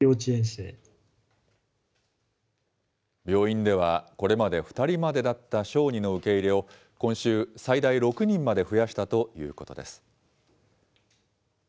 病院では、これまで２人までだった小児の受け入れを今週、最大６人まで増やしたということです。